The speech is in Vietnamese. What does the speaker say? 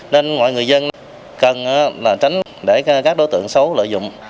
nên mọi người dân cần tránh để các đối tượng xấu lợi dụng